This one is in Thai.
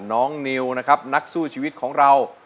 น้องนิวนะครับนักสู้ชีวิตของเรา